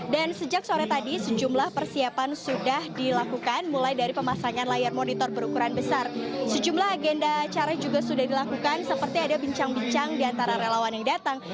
dan sejak sore tadi sejumlah persiapan sudah dilakukan mulai dari pemasangan layar monitor berukuran besar sejumlah agenda acara juga sudah dilakukan seperti ada bincang bincang diantara relawan yang datang